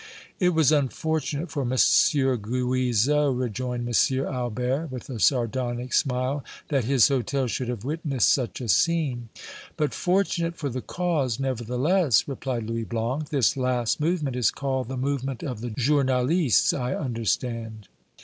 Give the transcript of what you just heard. "It was unfortunate for M. Guizot," rejoined M. Albert, with a sardonic smile, "that his hôtel should have witnessed such a scene." "But fortunate for the cause, nevertheless," replied Louis Blanc. "This last movement is called the movement of the journalists, I understand."